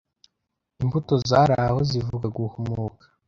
imbuto zari aho zivuga guhumuka